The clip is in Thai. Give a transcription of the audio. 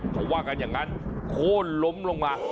เขาว่ากันอย่างนั้นโค้นล้มลงมา